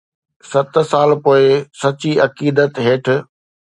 ست سال پوءِ سچي عقيدت هيٺ